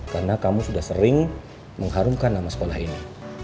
karena kamu sudah sering mengharumkan nama sekolah ini